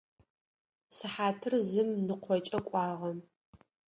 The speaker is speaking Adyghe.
Сыхьатыр зым ныкъокӏэ кӏуагъэ.